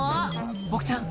ボクちゃん